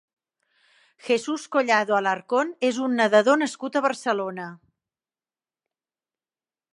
Jesús Collado Alarcón és un nedador nascut a Barcelona.